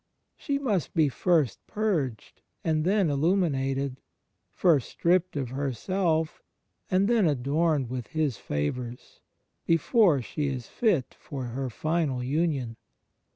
She must be first purged and then illuminated, first stripped of herself and then adorned with His favours, before she is fit for her final tmion.